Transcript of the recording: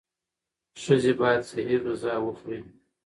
ښځې باید صحي غذا وخوري.